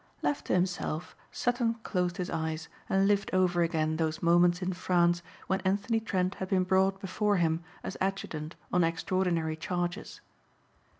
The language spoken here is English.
Left to himself Sutton closed his eyes and lived over again those moments in France when Anthony Trent had been brought before him as adjutant on extraordinary charges.